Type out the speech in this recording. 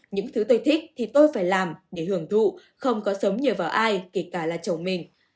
những thứ tôi thích thì tôi phải làm để hưởng thụ không có sống nhờ vào ai kể cả là chồng mình